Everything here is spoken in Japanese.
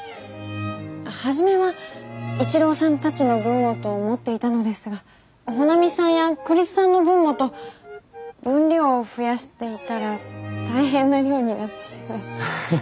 初めは一郎さんたちの分をと思っていたのですが穂波さんや栗津さんの分もと分量を増やしていたら大変な量になってしまい。